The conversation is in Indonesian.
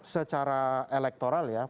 secara elektoral ya